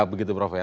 begitu prof ya